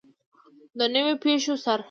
د نویو پیښو سره.